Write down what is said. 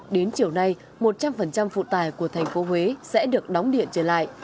đến chiều nay một trăm linh phụ tài của thành phố huế sẽ được đóng điện trở lại